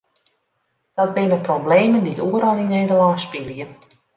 Dat binne problemen dy't oeral yn Nederlân spylje.